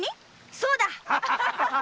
そうだ！